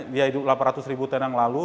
dia hidup delapan ratus ribu tenang lalu